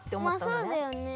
まあそうだよね。